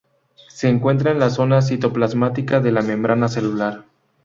Se encuentra en la zona citoplasmática de la membrana celular.